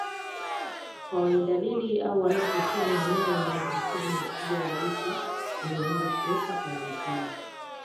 Kwa wenye dalili au wanaotokea maeneo yenye maambukizi makubwa ya virusi hulazimikwa kuwekwa karantini